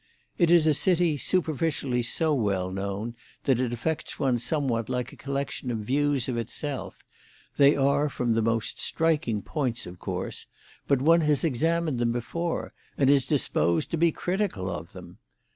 It is a city superficially so well known that it affects one somewhat like a collection of views of itself; they are from the most striking points, of course, but one has examined them before, and is disposed to be critical of them.